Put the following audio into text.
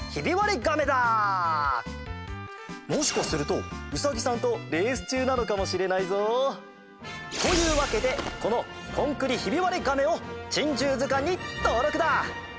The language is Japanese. もしかするとウサギさんとレースちゅうなのかもしれないぞ！というわけでこのコンクリヒビワレガメを「珍獣図鑑」にとうろくだ！